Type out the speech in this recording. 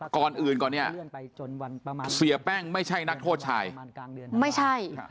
ก่อนอื่นก่อนเนี่ยเสียแป้งไม่ใช่นักโทษชายไม่ใช่